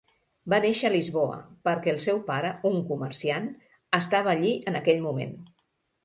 Va néixer a Lisboa perquè el seu pare, un comerciant, estava allí en aquell moment.